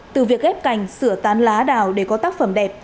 từ việc ghép cành sửa tán lá đào để có tác phẩm đẹp